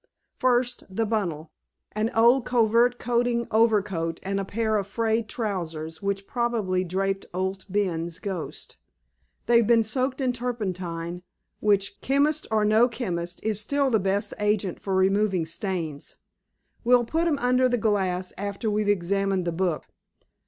First, the bundle—an old covert coating overcoat and a pair of frayed trousers which probably draped Owd Ben's ghost. They've been soaked in turpentine, which, chemist or no chemist, is still the best agent for removing stains. We'll put 'em under the glass after we've examined the book.